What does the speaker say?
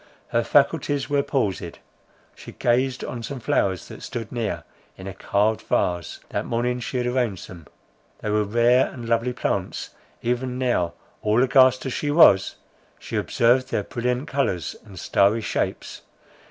Her faculties were palsied. She gazed on some flowers that stood near in a carved vase: that morning she had arranged them, they were rare and lovely plants; even now all aghast as she was, she observed their brilliant colours and starry shapes.